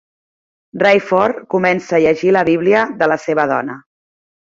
Rayford comença a llegir la bíblia de la seva dona.